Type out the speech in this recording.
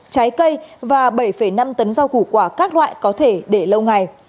trái cây và bảy năm tấn rau củ quả các loại có thể để lâu ngày